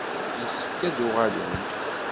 Yessefk ad d-uɣalent.